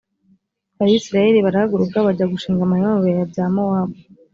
abayisraheli barahaguruka, bajya gushinga amahema mu bibaya bya mowabu.